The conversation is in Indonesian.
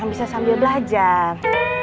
emang bisa sambil belajar